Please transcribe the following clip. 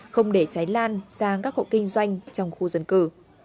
không để cháy lan sang các hộ kinh doanh trong khu dân cư